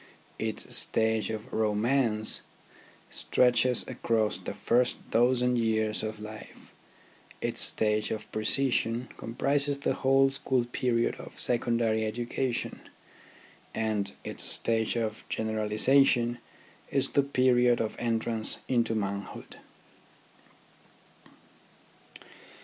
Its stage of romance stretches across the first dozen years of life, its stage of precision comprises the whole school period of secondary education, and its 26 THE RHYTHM OF EDUCATION stage of generalization is the period of entrance into manhood.